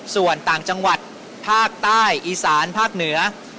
ส่วนต่างจังหวัดภาคใต้อีสานภาคเหนือ